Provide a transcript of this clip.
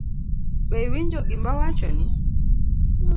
Be iwinjo gima awachoni?